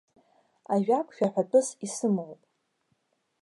Ажәак шәаҳәатәыс исымоуп.